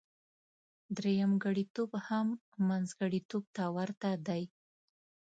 درېمګړتوب هم منځګړتوب ته ورته دی.